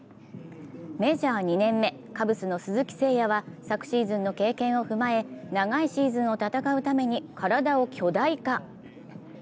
メジャー２年目、カブスの鈴木誠也は昨シーズンの経験を踏まえ長いシーズンを戦うために体を巨大化。